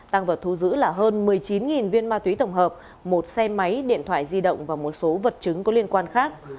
tăng vật thu giữ là hơn một mươi chín viên ma túy tổng hợp một xe máy điện thoại di động và một số vật chứng có liên quan khác